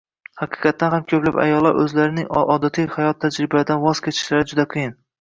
Haqiqatdan ham ko‘plab ayollar o‘zlarining odatiy hayot tartiblaridan voz kechishlari juda qiyin.